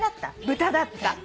豚だった。